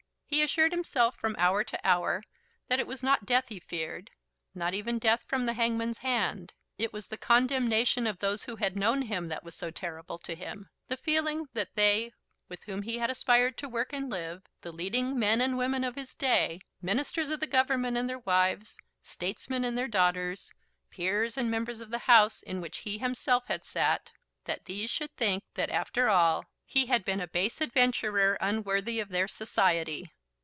He assured himself from hour to hour that it was not death he feared, not even death from the hangman's hand. It was the condemnation of those who had known him that was so terrible to him the feeling that they with whom he had aspired to work and live, the leading men and women of his day, Ministers of the Government and their wives, statesmen and their daughters, peers and members of the House in which he himself had sat; that these should think that, after all, he had been a base adventurer unworthy of their society!